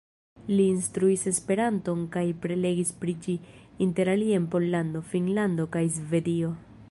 Li instruis Esperanton kaj prelegis pri ĝi, interalie en Pollando, Finnlando kaj Svedio.